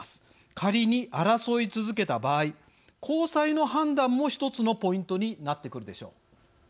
仮に争い続けた場合高裁の判断も一つのポイントになってくるでしょう。